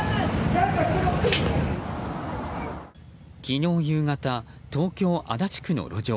昨日夕方、東京・足立区の路上。